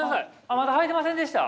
まだはいてませんでした？